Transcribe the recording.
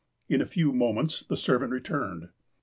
In a few moments the servant returned.